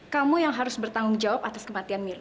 kamu yang harus bertanggung jawab atas kematian mir